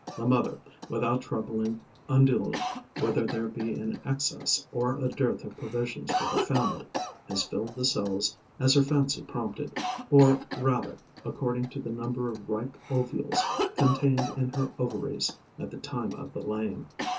The mother, without troubling unduly whether there be an excess or a dearth of provisions for her family, has filled the cells as her fancy prompted, or rather according to the number of ripe ovules contained in her ovaries at the time of the laying.